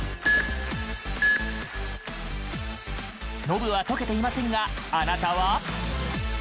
ノブは解けていませんがあなたは？